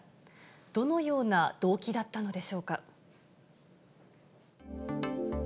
どのような動機だったのでしょうか。